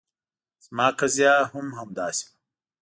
زما قضیه هم همداسې وه.